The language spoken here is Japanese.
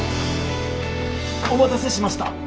お待たせしました。